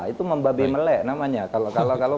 itu membabe melek namanya kalau